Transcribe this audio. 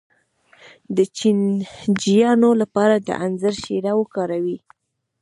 د چینجیانو لپاره د انځر شیره وکاروئ